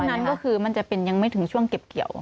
นั้นก็คือมันจะเป็นยังไม่ถึงช่วงเก็บเกี่ยว